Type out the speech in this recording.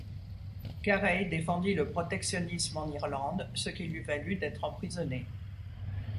Carey défendit le protectionnisme en Irlande, ce qui lui valut d'être emprisonné.